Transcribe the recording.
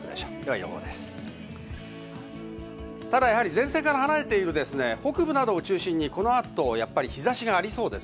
前線から離れているので北部などを中心にこの後、日差しがありそうです。